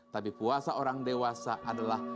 tapi puasa orang dewasa adalah